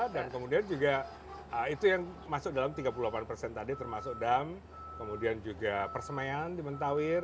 dan kemudian juga itu yang masuk dalam tiga puluh delapan persen tadi termasuk dam kemudian juga persemaian di mentawir